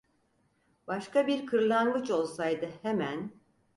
Başka bir kırlangıç olsaydı hemen: